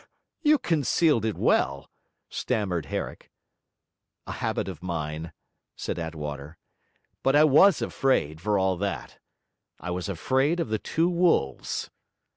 'You concealed it well,' stammered Herrick. 'A habit of mine,' said Attwater. 'But I was afraid, for all that: I was afraid of the two wolves.'